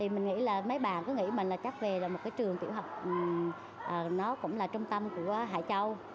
mình nghĩ là mấy bà có nghĩ mình là chắc về là một cái trường tiểu học nó cũng là trung tâm của hải châu